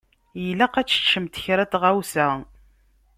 Ilaq ad teččemt kra n tɣawsa.